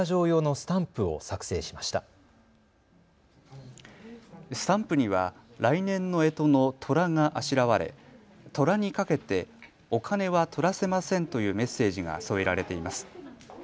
スタンプには来年のえとのとらがあしらわれとらにかけてお金はトラせませんというメッセージが添えられています。